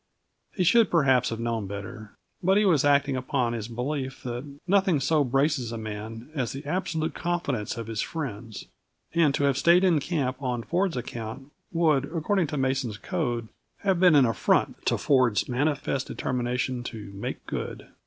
He should, perhaps, have known better; but he was acting upon his belief that nothing so braces a man as the absolute confidence of his friends, and to have stayed in camp on Ford's account would, according to Mason's code, have been an affront to Ford's manifest determination to "make good."